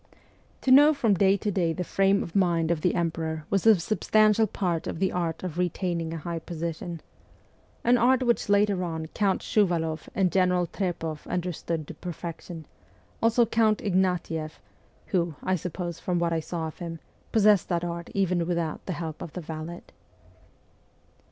To know from day to day the frame of mind of the emperor was a substantial part of the art of retaining a high position an art which later on Count Shuvaloff and General Trepoff understood to perfection ; also Count Ignatieff, who, I suppose from what I saw of him, possessed that art even without the help of the valet.